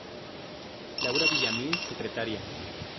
Laura Villamil Secretaria.